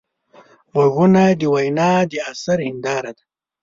غوږونه د وینا د اثر هنداره ده